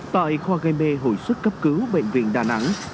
tại khoa gai mê hội xuất cấp cứu bệnh viện đà nẵng